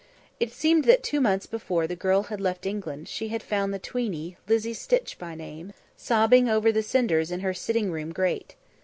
It seemed that two months before the girl had left England, she had found the tweeny, Lizzie Stitch by name, sobbing over the cinders in her sitting room grate.